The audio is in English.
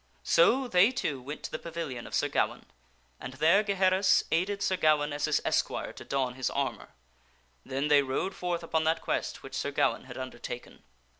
So they two went to the pavilion of Sir Gawaine, and there Gaheris aided Sir Gawaine as his esquire to don his armor. Then they rode forth upon that quest which Sir Gawaine had undertaken.